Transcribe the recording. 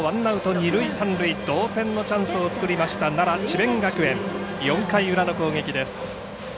二塁三塁同点のチャンスを作りました奈良智弁学園、４回裏の攻撃です。